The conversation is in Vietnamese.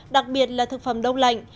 đặc biệt là thực phẩm đông lạnh